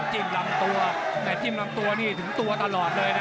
จิ้มลำตัวแต่จิ้มลำตัวนี่ถึงตัวตลอดเลยนะ